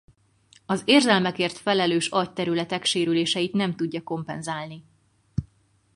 Az érzelmekért felelős agyterületek sérüléseit nem tudja kompenzálni.